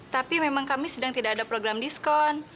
tapi memang kami sedang tidak ada program diskon